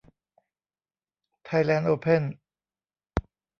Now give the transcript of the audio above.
ไทยแลนด์โอเพ่น